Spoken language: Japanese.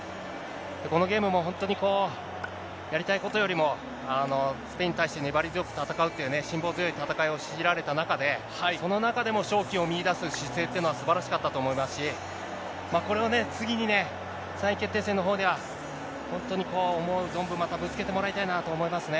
このゲームも本当にやりたいことよりも、スペインに対して粘り強く戦うっていうね、辛抱強い戦いを強いられた中で、その中でも勝機を見いだす姿勢っていうのは、すばらしかったと思いますし、これを次にね、３位決定戦のほうでは、本当に思う存分、またぶつけてもらいたいなと思いますね。